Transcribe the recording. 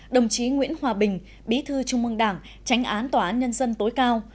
đồng chí nguyễn hòa bình bí thư trung mương đảng tránh án tòa án nhân dân tối cao